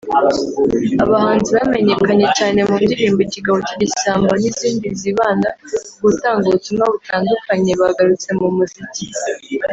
Abahanzi bamenyekanye cyane mu ndirimbo “Ikigabo cy’Igisambo” n’izindi zibanda ku gutanga ubutumwa butandukanye bagarutse mu muziki